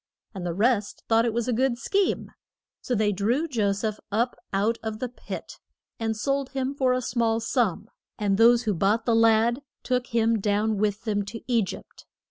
And the rest thought it was a good scheme. So they drew Jo seph up out of the pit and sold him for a small sum, and those who bought the lad took him down with them to E gypt.